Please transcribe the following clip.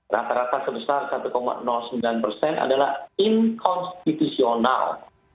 rata rata sebesar satu sembilan persen adalah inkonstitusional